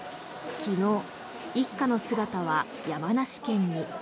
昨日、一家の姿は山梨県に。